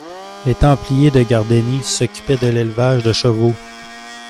Les Templiers de Gardeny s'occupaient de l'élevage de chevaux.